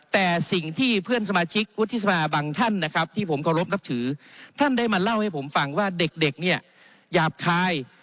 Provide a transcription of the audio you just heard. แต่สิ่งที่เพื่อนสมาชิกวุฒิสภาบางท่านนะครับที่ผมเคารพนับถือท่านได้มาเล่าให้ผมฟังว่าเด็กเนี่ยหยาบคาย